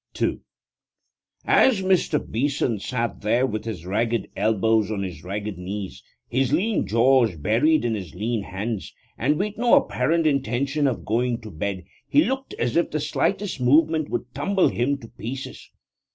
< 2 > As Mr. Beeson sat there, with his ragged elbows on his ragged knees, his lean jaws buried in his lean hands, and with no apparent intention of going to bed, he looked as if the slightest movement would tumble him to pieces.